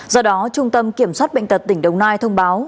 do đó trung tâm kiểm soát bệnh tật tỉnh đồng nai thông báo